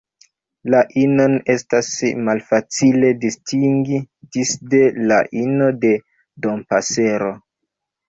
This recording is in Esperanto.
La inon estas malfacile distingi disde la ino de Dompasero.